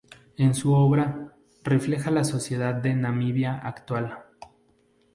En su obra, refleja la sociedad de Namibia actual.